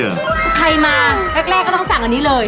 ใครมาแรกก็ต้องสั่งอันนี้เลย